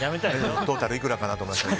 トータルいくらかなと思って。